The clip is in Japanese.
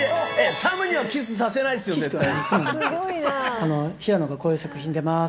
ＳＡＭにはキスさせないですよ、絶対。